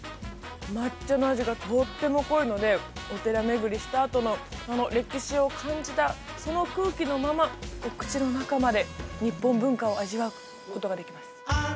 抹茶の味がとっても濃いのでお寺巡りしたあとのその歴史を感じたその空気のままお口の中まで日本文化を味わうことができます